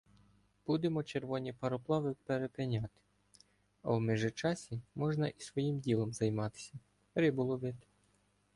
Будемо червоні пароплави перепиняти, а в межичассі можна і своїм ділом займатися — рибу ловити.